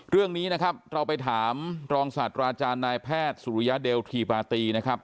เรื่องนี้นะครับเราไปถามรองศาสตราจารย์นายแพทย์สุริยเดลทีปาตีนะครับ